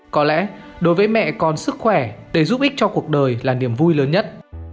có lẽ đối với mẹ còn sức khỏe để giúp ích cho cuộc đời là niềm vui lớn nhất